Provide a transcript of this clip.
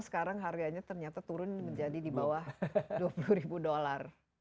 sekarang harganya ternyata turun menjadi di bawah dua puluh ribu dolar